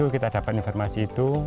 dua ribu tujuh kita dapat informasi itu